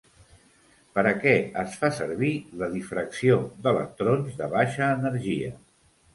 Per a què es fa servir la difracció d'electrons de baixa energia?